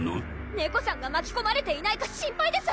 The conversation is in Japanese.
ネコさんがまきこまれていないか心配です！